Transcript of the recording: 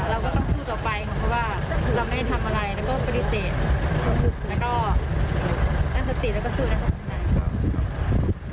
เราก็ต้องสู้ต่อไปค่ะเพราะว่าเราไม่ได้ทำอะไรแล้วก็ปฏิเสธ